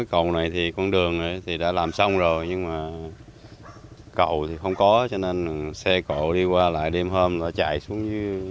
cầu này thì con đường thì đã làm xong rồi nhưng mà cầu thì không có cho nên xe cầu đi qua lại đêm hôm rồi chạy xuống